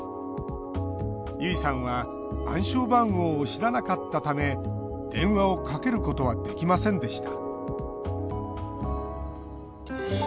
結衣さんは暗証番号を知らなかったため電話をかけることはできませんでした。